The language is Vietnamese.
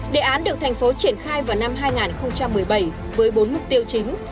đề án được thành phố triển khai vào năm hai nghìn một mươi bảy với bốn mục tiêu chính